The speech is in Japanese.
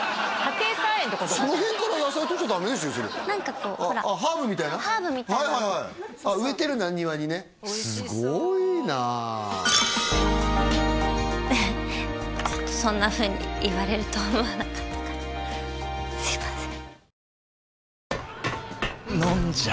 庭にねおいしそうすごいなちょっとそんなふうに言われると思わなかったからすいません